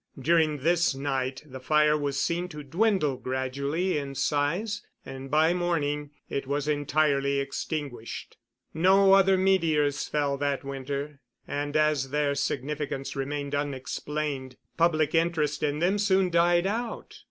During this night the fire was seen to dwindle gradually in size, and by morning it was entirely extinguished. No other meteors fell that winter; and, as their significance remained unexplained, public interest in them soon died out.